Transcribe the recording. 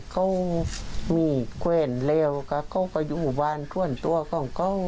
เขามีเพื่อนเลี่ยวก็เขาก็อยู่บ้านช่วนตัวของเขา